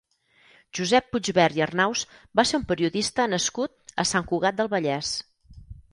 Josep Puigvert i Arnaus va ser un periodista nascut a Sant Cugat del Vallès.